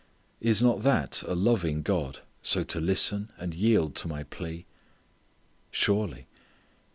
Is not that a loving God so to listen and yield to my plea? Surely.